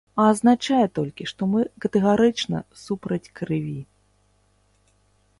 А азначае толькі, што мы катэгарычна супраць крыві.